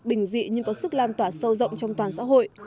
bình dị nhưng có sức lan tỏa sâu rộng trong toàn xã hội